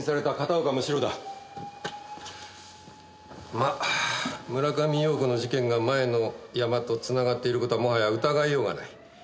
まあ村上陽子の事件が前のヤマと繋がっている事はもはや疑いようがない。